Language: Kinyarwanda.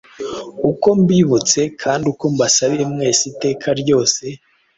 uko mbibutse, kandi uko mbasabiye mwese iteka ryose,